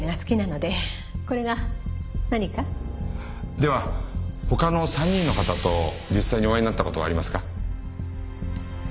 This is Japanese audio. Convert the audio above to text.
では他の３人の方と実際にお会いになった事はありますか？